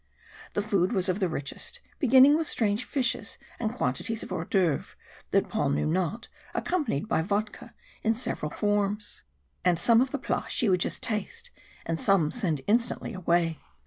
The food was of the richest, beginning with strange fishes and quantities of hors d'oeuvres that Paul knew not, accompanied by vodka in several forms. And some of the plats she would just taste, and some send instantly away.